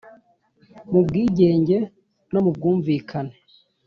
mu bwigenge no mu bwumvikane.